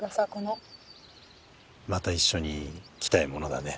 また一緒に来たいものだね。